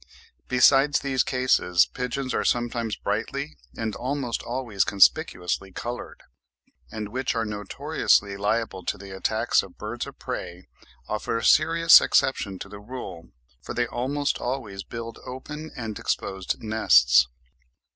Besides these cases, pigeons which are sometimes brightly, and almost always conspicuously coloured, and which are notoriously liable to the attacks of birds of prey, offer a serious exception to the rule, for they almost always build open and exposed nests.